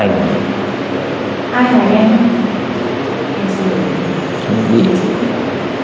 hắn bị hành